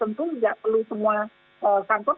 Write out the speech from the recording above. tentu tidak perlu semua kantor